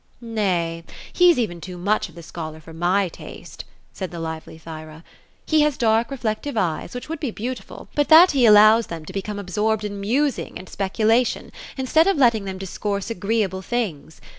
" Nay, he's even too much of the scholar, for my taste ;" said the lively Thyra. " He has dark reflective eyes, which would be beautiful, but that he allows them to become absorbed in musing and speculation, instead of letting them discourse agreeable things.